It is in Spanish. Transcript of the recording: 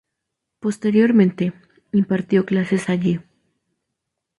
Posteriormente impartió clases allí.